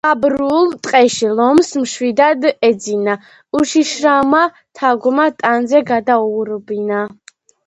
დაბურულ ტყეში ლომს მშვიდად ეძინა უშიშარმა თაგვმა ტანზე გადაურბინა.